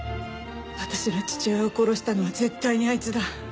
私の父親を殺したのは絶対にあいつだ。